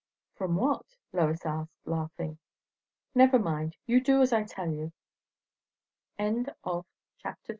"From what?" Lois asked, laughing. "Never mind; you do as I tell you." CHAPTER III.